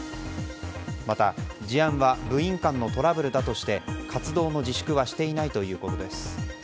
また、事案は部員間のトラブルだとして活動の自粛はしていないということです。